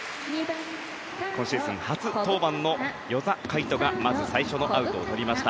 今シーズン初登板の與座海人がまず最初のアウトを取りました。